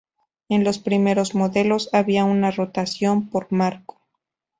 En los primeros modelos, había una rotación por marco.